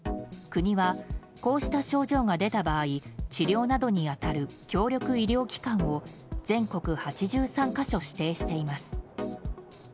国はこうした症状が出た場合治療などに当たる協力医療機関を全国８３か所指定しています。